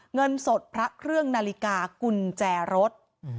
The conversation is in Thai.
เงินสดพระเครื่องนาฬิกากุญแจรถ